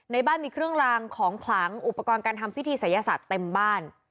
ในบ้านมีเครื่องลางของขลังอุปกรณ์การทำพิธีศัยศาสตร์เต็มบ้าน